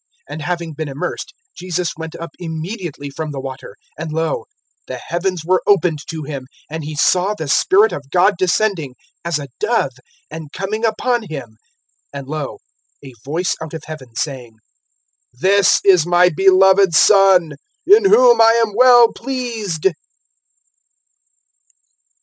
(16)And having been immersed, Jesus went up immediately from the water; and lo, the heavens were opened to him, and he saw the Spirit of God descending, as a dove, and coming upon him. (17)And lo, a voice out of heaven, saying: This is my beloved Son, in whom I am well pleased.